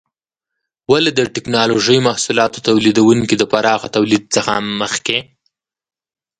ولې د ټېکنالوجۍ محصولاتو تولیدونکي د پراخه تولید څخه مخکې؟